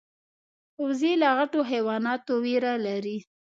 وزې له غټو حیواناتو ویره لري